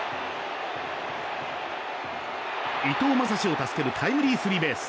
伊藤将司を助けるタイムリースリーベース。